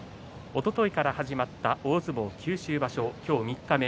おとといから始まった大相撲九州場所、今日三日目。